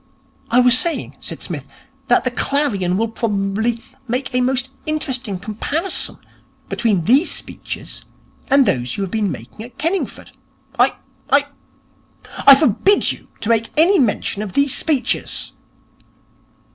'I was saying,' said Psmith, 'that the Clarion will probably make a most interesting comparison between these speeches and those you have been making at Kenningford.' 'I I I forbid you to make any mention of these speeches.'